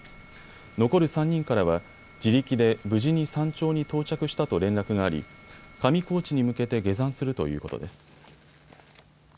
残る３人からは自力で無事に山頂に到着したと連絡があり上高地に向けて下山するということです。